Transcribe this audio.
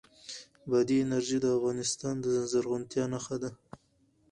بادي انرژي د افغانستان د زرغونتیا نښه ده.